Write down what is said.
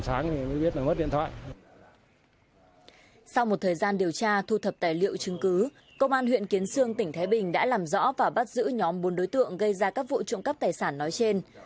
sau một thời gian điều tra thu thập tài liệu chứng cứ công an huyện kiến sương tỉnh thái bình đã làm rõ và bắt giữ nhóm bốn đối tượng gây ra các vụ trộm cắp tài sản nói trên